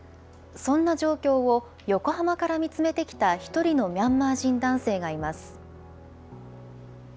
そんな状況を、横浜から見つめてきた１人のミャンマー人男性がいます。